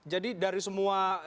jadi dari semua